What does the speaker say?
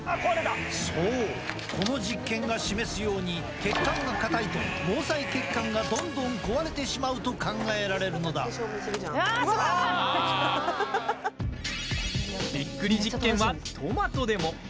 そう、この実験が示すように血管が硬いと毛細血管がどんどん壊れてしまうとわあ、すごい！びっくり実験は、トマトでも。